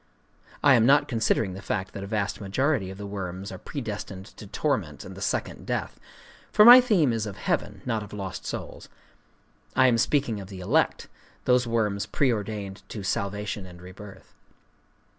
(I am not considering the fact that a vast majority of the worms are predestined to torment and the second death; for my theme is of heaven, not of lost souls. I am speaking of the elect—those worms preördained to salvation and rebirth.)